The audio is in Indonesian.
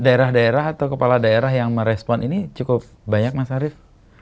daerah daerah atau kepala daerah yang merespon ini cukup banyak mas arief